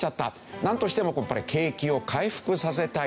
なんとしてもやっぱり景気を回復させたい。